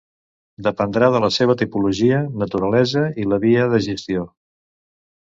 Dependrà de la seva tipologia, naturalesa i la via de gestió.